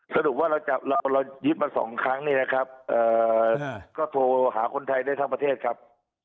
สรุปว่าเรายึดมา๒ครั้งนี่นะครับก็โทรหาคนไทยได้ทั้งประเทศครับ